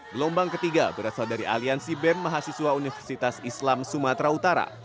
gelombang ketiga berasal dari aliansi bem mahasiswa universitas islam sumatera utara